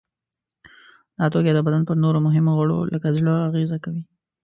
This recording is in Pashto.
دا توکي د بدن پر نورو مهمو غړو لکه زړه اغیزه کوي.